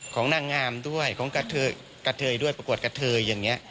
ของนางงามด้วยของกระเทยด้วยประกวดกระเทยอย่างนี้